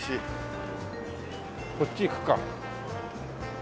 こっち行くか。